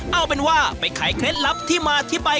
เอาเป็นว่าไปขายเคล็ดลับที่มาที่ไป